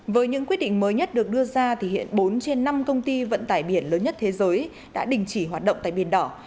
với những quyết định mới nhất được đưa ra thì hiện bốn trên năm công ty vận tải biển lớn nhất thế giới đã đình chỉ hoạt động tại biển đỏ